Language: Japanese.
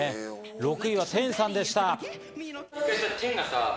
６位はテンさんでした。